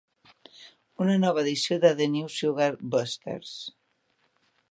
Una nova edició de The New Sugar Busters!